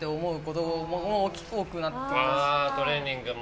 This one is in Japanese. あトレーニングも。